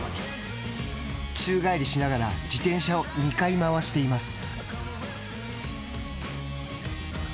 宙返りしながら自転車を２回回しています。